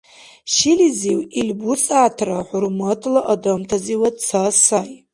Шилизив ил бусягӀятра хӀурматла адамтазивад ца сай.